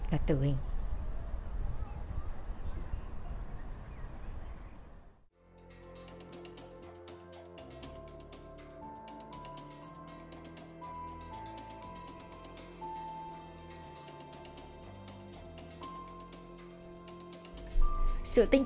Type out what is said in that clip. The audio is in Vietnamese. là tử hình